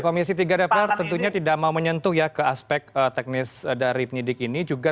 komisi tiga dpr tentunya tidak mau menyentuh ya ke aspek teknis dari penyidik ini juga